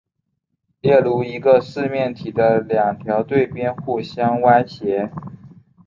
例如一个四面体的两条对边互相歪斜。